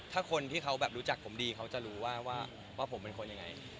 ถ้าคนที่เขาแบบรู้จักผมดีเขาจะรู้ว่าผมเป็นคนยังไง